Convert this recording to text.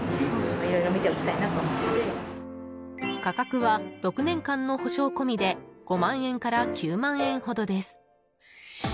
価格は６年間の保証込みで５万円から９万円ほどです。